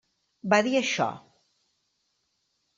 Va dir això.